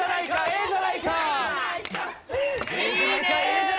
「ええじゃないか」いいね。